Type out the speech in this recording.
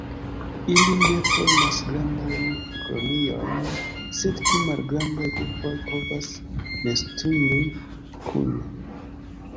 Ili ne formas grandajn koloniojn, sed pli malgrandaj grupoj povas nestumi kune.